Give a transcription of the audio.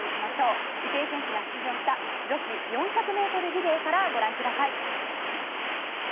池江選手が出場した女子４００ｍリレーからご覧ください。